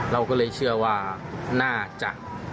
เราก็เลยเชื่อว่าน่าจะ